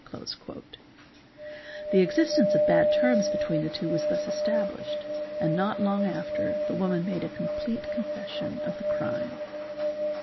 'The existence of bad terms between the two was thus established and not long after the woman made a com plete confession of the crime.